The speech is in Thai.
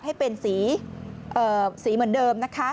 ให้เป็นสีเหมือนเดิม